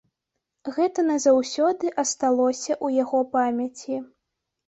Гэта назаўсёды асталося ў яго памяці.